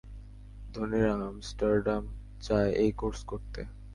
ধনীরা আমস্টারডাম যায় এই কোর্স করতে।